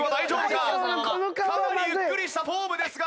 かなりゆっくりしたフォームですが。